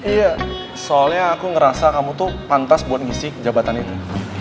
iya soalnya aku ngerasa kamu tuh pantas buat ngisi jabatan itu